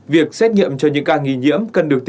việc xét nghiệm cho những ca nghi nhiễm